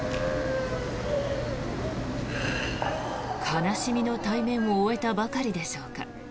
悲しみの対面を終えたばかりでしょうか。